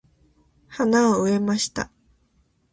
花を植えました。